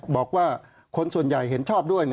บอกว่าคนส่วนใหญ่เห็นชอบด้วย